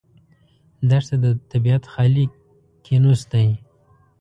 دښته د طبیعت خالي کینوس دی.